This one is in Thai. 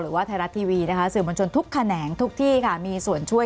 หรือว่าไทยรัตน์ทีวี